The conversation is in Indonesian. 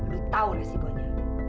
lu tahu resikonya